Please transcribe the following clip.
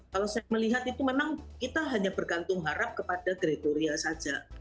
kalau saya melihat itu memang kita hanya bergantung harap kepada gregoria saja